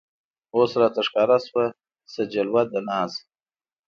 اوس راته ښکاره شوه څه جلوه د ناز